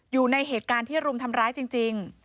อยู่ในเหตุการณ์ที่รุมทำร้ายจริง